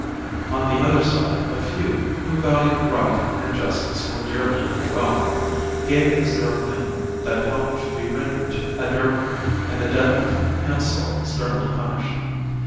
On the other side a few, who valued right and justice more dearly than wealth, gave as their opinion that help should be rendered to Adherbal^ and the death of Hiempsal sternly punished.